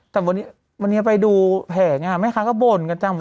แต่วันนี้ไปดูแผงแม่ค้าก็บ่นกันจัง